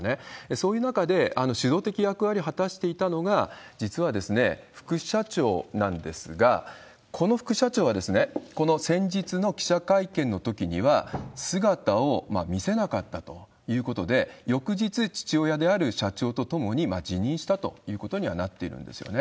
そういう中で、主導的役割を果たしていたのが、実はですね、副社長なんですが、この副社長は、この先日の記者会見のときには姿を見せなかったということで、翌日、父親である社長と共に辞任したということにはなっているんですよね。